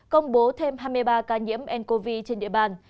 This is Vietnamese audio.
công bố thêm hai mươi ba ca nhiễm ncov trên địa bàn